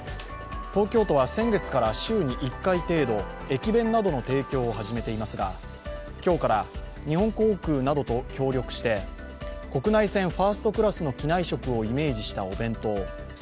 東京都は先月から週に１回程度、駅弁などの提供を始めていますが、今日から日本航空などと協力して、国内線ファーストクラスの機内食をイメージしたお弁当１５００